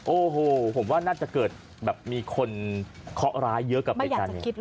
โอ้โหผมว่าน่าจะเกิดแบบมีคนเคาะร้ายเยอะกับเหตุการณ์นี้